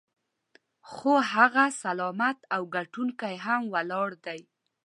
خو هغه سلامت او ګټونکی هم ولاړ دی.